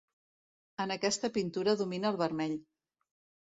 En aquesta pintura domina el vermell.